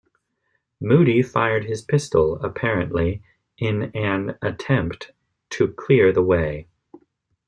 Moodie fired his pistol, apparently in an attempt to clear the way.